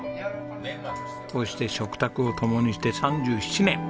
こうして食卓を共にして３７年。